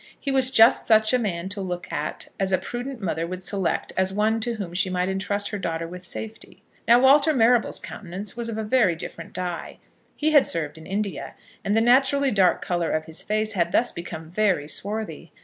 He was just such a man to look at as a prudent mother would select as one to whom she might entrust her daughter with safety. Now Walter Marrable's countenance was of a very different die. He had served in India, and the naturally dark colour of his face had thus become very swarthy.